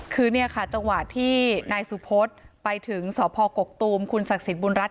คือเนี่ยค่ะจังหวะที่นายสุพศไปถึงสพกกตูมคุณศักดิ์สิทธิบุญรัฐ